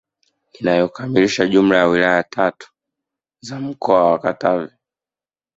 Inayokamilisha jumla ya wilaya tatu za mkoa wa Katavi